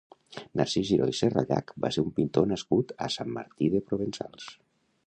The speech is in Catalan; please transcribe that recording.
Narcís Giró i Serrallach va ser un pintor nascut a Sant Martí de Provençals.